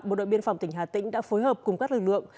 bộ đội biên phòng tỉnh hà tĩnh đã phối hợp cùng các lực lượng